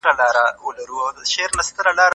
استاد شاګرد ته خپله علمي تجربه انتقالوي.